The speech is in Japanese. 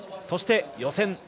そして予選